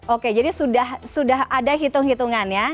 oke jadi sudah ada hitung hitungannya